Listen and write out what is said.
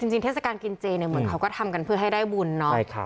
คือจริงเทศกาลกินเจเหมือนเขาก็ทำกันเพื่อให้ได้บุญเนอะ